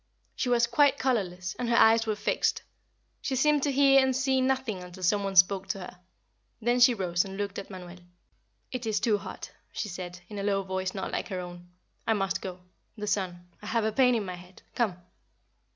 She was quite colorless, and her eyes were fixed. She seemed to hear and see nothing until some one spoke to her. Then she rose and looked at Manuel. "It is too hot," she said, in a low voice not like her own. "I must go. The sun. I have a pain in my head. Come."